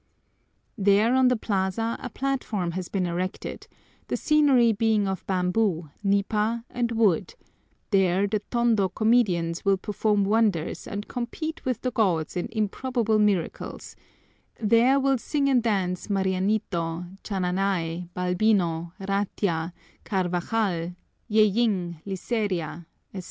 There on the plaza a platform has been erected, the scenery being of bamboo, nipa, and wood; there the Tondo comedians will perform wonders and compete with the gods in improbable miracles, there will sing and dance Marianito, Chananay, Balbino, Ratia, Carvajal, Yeyeng, Liceria, etc.